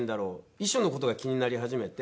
遺書の事が気になり始めて。